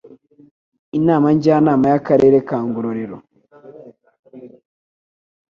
inama njyanama ya karere ka ngororero